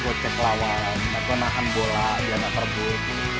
gojek lawan atau nahan bola biar nggak terbut gitu